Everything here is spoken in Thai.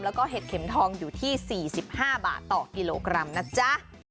แล้วก็เห็ดเข็มทองอยู่ที่๔๕บาทต่อกิโลกรัมนะจ๊ะ